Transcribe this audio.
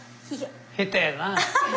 下手やな。